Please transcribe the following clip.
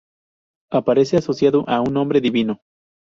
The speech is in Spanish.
Aparece asociado a un nombre divino.